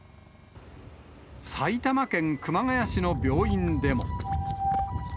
埼玉県熊谷市の病院でも。